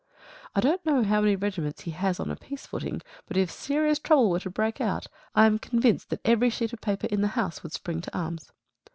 I don't know how many regiments he has on a peace footing; but if serious trouble were to break out, I am convinced that every sheet of paper in the house would spring to arms.